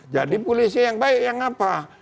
jadi polisi yang baik yang apa